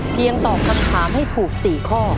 ตอบคำถามให้ถูก๔ข้อ